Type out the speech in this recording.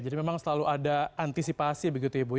jadi memang selalu ada antisipasi begitu ya ibu